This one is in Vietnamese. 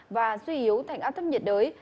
và suy yếu thành áp thấp nhiệt đới